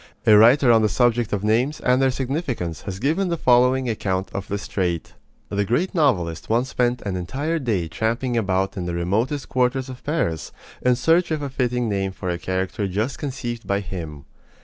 A writer on the subject of names and their significance has given the following account of this trait: The great novelist once spent an entire day tramping about in the remotest quarters of Paris in search of a fitting name for a character just conceived by him.